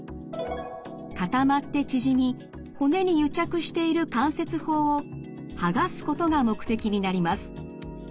固まって縮み骨に癒着している関節包をはがすことが目的になります。